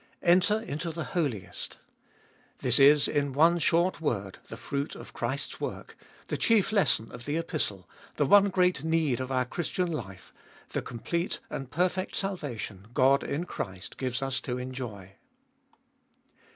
Enter into the Holiest. This is, in one short word, the fruit of Christ's work, the chief lesson of the Epistle, the one great need of our Christian life, the complete and perfect salvation God in Christ gives us to enjoy.